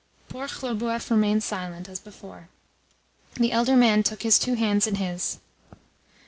Poor Khlobuev remained silent, as before. The elder man took his two hands in his.